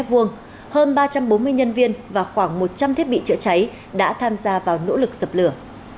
hơn ba trăm bốn mươi nhân viên và khoảng một trăm linh thiết bị chữa cháy đã tham gia vào nỗ lực dập lửa